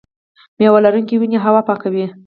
میوه لرونکې ونې هوا پاکوي.